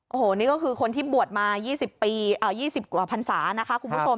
โอ้โหนี่ก็คือคนที่บวชมา๒๐กว่าพันศานะคะคุณผู้ชม